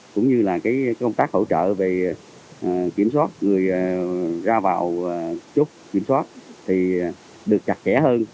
cũng như công tác hỗ trợ về kiểm soát người ra vào chốt kiểm soát được chặt kẻ hơn